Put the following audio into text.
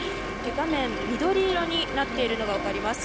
画面が緑色になっているのが分かります。